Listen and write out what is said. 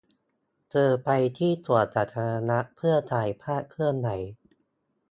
เธอไปที่สวนสาธารณะเพื่อถ่ายภาพเคลื่อนไหว